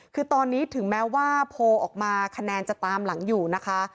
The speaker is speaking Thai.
คือตอนนี้ถึงแม้ว่าโพลออกมาคะแนนจะตามหลังอยู่นะคะ